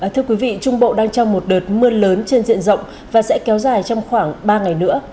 thưa quý vị trung bộ đang trong một đợt mưa lớn trên diện rộng và sẽ kéo dài trong khoảng ba ngày nữa